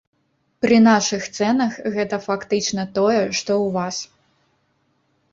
Пры нашых цэнах гэта фактычна тое, што ў вас.